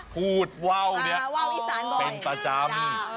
พูดเบาวะเป็นประจำ